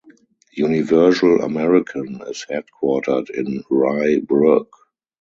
Universal American is headquartered in Rye Brook.